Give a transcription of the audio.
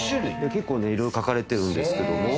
結構ね色々書かれてるんですけども。